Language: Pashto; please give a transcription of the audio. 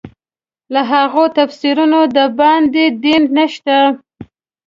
له هغو تفسیرونو د باندې دین نشته.